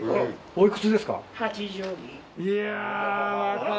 おいくつですか？